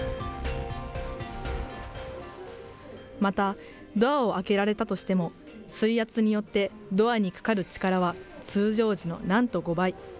またドアを開けられたとしても、水圧によってドアにかかる力は通常時のなんと５倍。